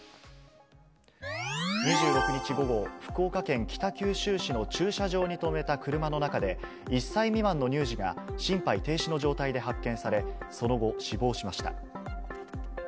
２６日午後、福岡県北九州市の駐車場に止めた車の中で、１歳未満の乳児が心肺停止の状態で発見され、その後、死亡しました。